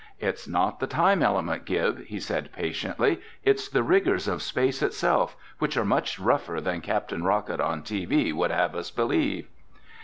"It's not the time element, Gib," he said patiently. "It's the rigors of space itself, which are much rougher than Captain Rocket on TV would have us believe."